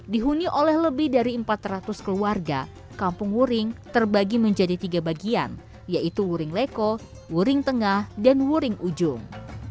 dihuni oleh lebih dari empat ratus keluarga kampung wuring terbagi menjadi tiga bagian yaitu wuring leko wuring tengah dan wuring ujung